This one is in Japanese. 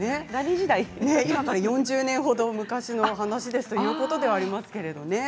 今から４０年ほど昔の話ですということですけれどもね。